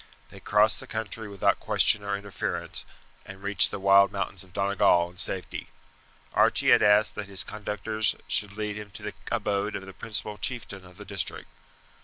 They crossed the country without question or interference, and reached the wild mountains of Donegal in safety. Archie had asked that his conductors should lead him to the abode of the principal chieftain of the district.